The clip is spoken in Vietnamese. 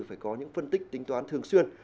phải có những phân tích tính toán thường xuyên